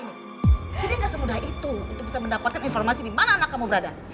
jadi gak semudah itu untuk bisa mendapatkan informasi di mana anak kamu berada